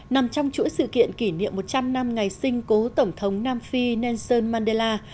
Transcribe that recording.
nằm trong chuỗi sự kiện kỷ niệm một trăm linh năm ngày sinh cố tổng thống nam phi nelson mandela